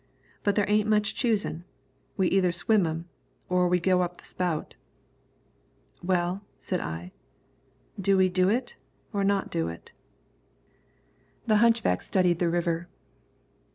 "But there ain't much choosin'; we either swim 'em or we go up the spout." "Well," said I, "do we do it, or not do it?" The hunchback studied the river.